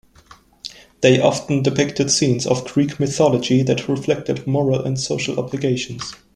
They often depicted scenes of Greek mythology that reflected moral and social obligations.